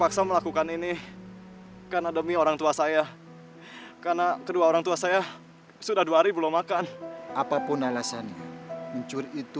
aku tahu kamu sedang memikirkan sesuatu